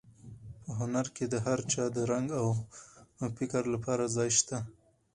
په هنر کې د هر چا د رنګ او فکر لپاره ځای شته دی.